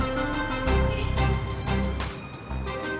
tunggu aku mau ke rumah